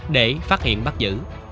để phát hiện bắt giữ